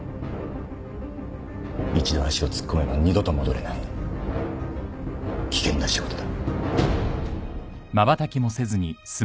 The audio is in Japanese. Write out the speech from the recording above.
一度足を突っ込めば二度と戻れない危険な仕事だ。